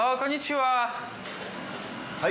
はい。